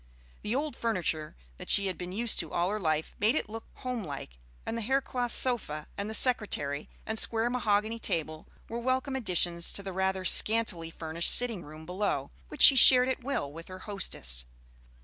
The old furniture that she had been used to all her life made it look homelike, and the hair cloth sofa and the secretary and square mahogany table were welcome additions to the rather scantily furnished sitting room below, which she shared at will with her hostess.